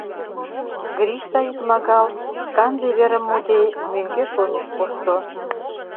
Гриша икмагал, шканже верым муде, мӧҥгеш-оньыш кошто.